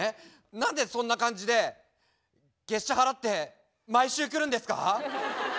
何でそんな感じで月謝払って毎週来るんですか？